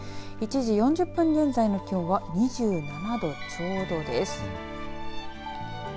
１時４０分現在の気温は２７度ちょうどです。